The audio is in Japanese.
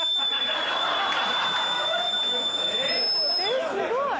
えっすごい。